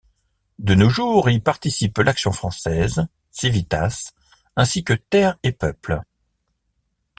De nos jours y participent l'Action française, Civitas, ainsi que Terre et Peuple.